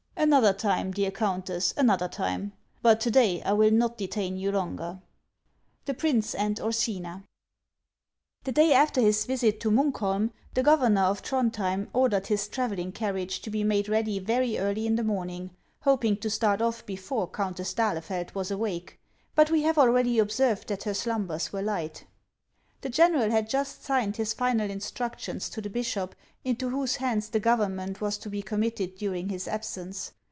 Another time, dear Countess, another time ; but to day I will not detain you longer. — The Priiicc dad Ursina. day after his visit to Munkholm, the governor of Throndhjem ordered his travelling carriage to be made ready very early in the morning, hoping to start off before Countess d'Ahlefeld was awake ; but we have already observed that her slumbers were light. The general had just signed his final instructions to the bishop, into whose hands the government was to be com mitted during his absence.